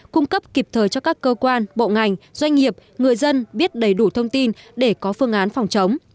cung cấp kịp thời cho các cơ quan bộ ngành doanh nghiệp người dân biết đầy đủ thông tin để có phương án phòng chống